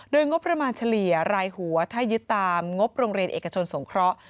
โดยงบประมาณเฉลี่ยรายหัวถ้ายึดตามงบโรงเรียนเอกชนสงเคราะห์